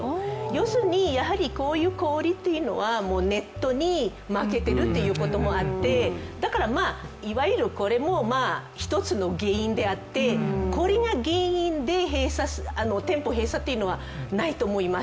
要するに、やはりこういう小売というのはネットに負けてるってこともあってだからいわゆるこれも一つの原因であってこれが原因で店舗を閉鎖というのはないと思います。